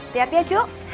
siap ya cuk